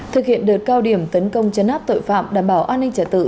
thực hiện đợt cao điểm tấn công chấn áp tội phạm đảm bảo an ninh trả tự